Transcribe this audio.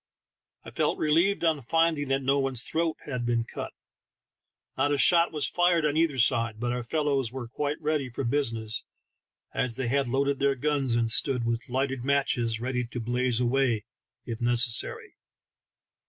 I felt relieved on finding that nobody's throat had been cut. Not a shot 28 TriE TALKING HANDKERCIliEF. was fired on either side ; but our fellows were quite ready for business, as they had loaded their guns, and stood with lighted matches ready to blaze away if necessary.